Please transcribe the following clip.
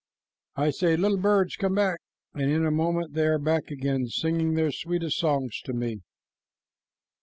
"I say, 'Little birds, come back,' and in a moment they are back again and singing their sweetest songs to me."